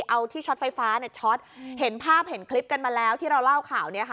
เอาที่ช็อตไฟฟ้าเนี่ยช็อตเห็นภาพเห็นคลิปกันมาแล้วที่เราเล่าข่าวนี้ค่ะ